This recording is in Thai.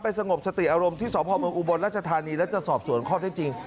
ไปสงบสติอารมณ์ที่สบอุบลรัชธานีรัชศาสตร์ส่วนข้อได้จริง